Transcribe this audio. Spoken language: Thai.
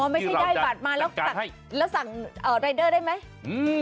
ไม่ใช่ได้บัตรมาแล้วสั่งรายเดอร์ได้ไหม